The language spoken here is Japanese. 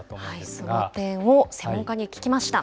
その点を専門家に聞きました。